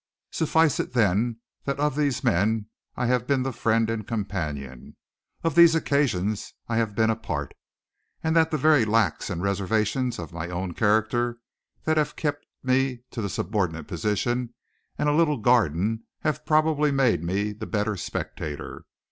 Suffice it then that of these men I have been the friend and companion, of these occasions I have been a part, and that the very lacks and reservations of my own character that have kept me to a subordinate position and a little garden have probably made me the better spectator.